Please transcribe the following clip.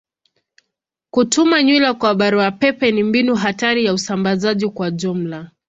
Kutuma nywila kwa barua pepe ni mbinu hatari ya usambazaji kwa ujumla.